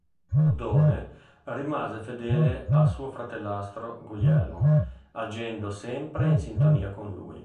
Oddone rimase fedele a suo fratellastro Guglielmo, agendo sempre in sintonia con lui.